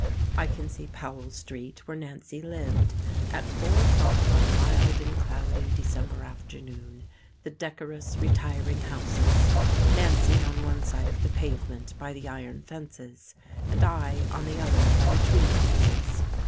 I can see Powell Street, where Nancy lived, at four o'clock on a mild and cloudy December afternoon, the decorous, retiring houses, Nancy on one side of the pavement by the iron fences and I on the other by the tree boxes.